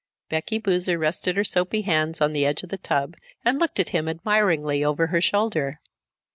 Becky Boozer rested her soapy hands on the edge of the tub and looked at him admiringly over her shoulder.